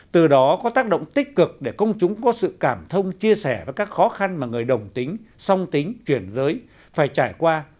từ đó có tác động tích cực để công chúng có sự cảm thông chia sẻ với các khó khăn mà người đồng tính song tính chuyển giới phải trải qua